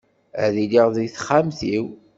Ad iliɣ deg texxamt-iw.